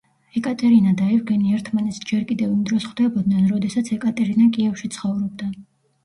ეკატერინა და ევგენი ერთმანეთს ჯერ კიდევ იმ დროს ხვდებოდნენ, როდესაც ეკატერინა კიევში ცხოვრობდა.